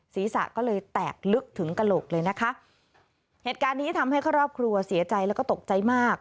ศีรษะก็เลยแตกลึกถึงกระโหลกเลยนะคะเหตุการณ์นี้ทำให้ครอบครัวเสียใจแล้วก็ตกใจมาก